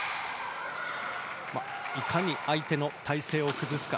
いかに相手の体勢を崩すか。